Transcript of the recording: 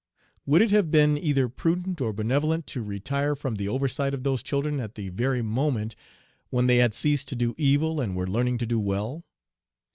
Would it have been either prudent or benevolent to retire from the oversight of those children at the very moment when they had ceased to do evil and were learning to do well?